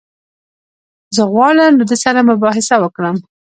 زه غواړم له ده سره مباحثه وکړم.